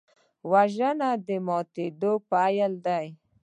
وژنه د ماتم پیل دی